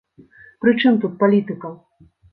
Пры чым тут палітыка!